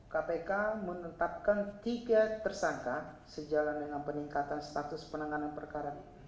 kpk menetapkan tiga tersangka sejalan dengan peningkatan status penanganan perkara ini